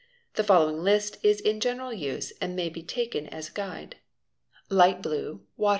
The following list is in general use and may be taken as a guid e Light blue—water.